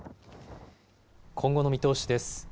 今後の見通しです。